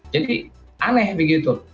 jadi aneh begitu